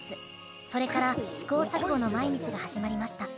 それから試行錯誤の毎日が始まりました。